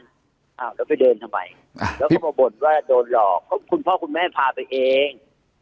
แล้วก็ไปเดินเคยไปและเขาระบบว่าโดนหลอกคุณพ่อคุณแม่ถูกพาไปเอง